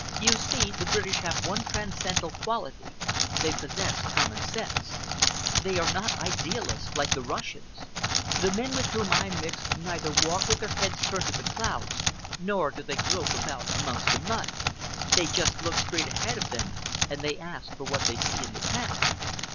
You see, the British have one transcendental quality; they possess common sense. They are not idealists like the Russians. The men with whom I mix neither walk with their heads turned to the clouds nor do they grope about amongst the mud. They just look straight ahead of them, and they ask for what they see in the path."